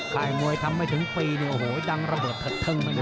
ค่ายมวยทำไม่ถึงปีเนี่ยโอ้โหดังระเบิดเถิดเทิงไปเลย